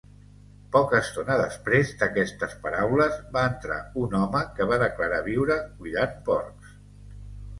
Poca estona després d'aquestes paraules va entrar un home que va declarar viure cuidant porcs.